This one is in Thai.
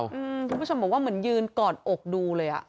คุณผู้ชมบอกว่าเหมือนยืนกอดอกดูเลย